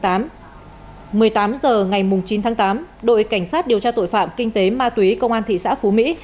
một mươi tám h ngày chín tháng tám đội cảnh sát điều tra tội phạm kinh tế ma túy công an thị xã phú mỹ